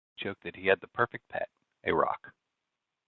He joked that he had the perfect pet, a rock.